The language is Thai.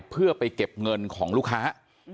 เพื่อไปเก็บเงินของลูกค้า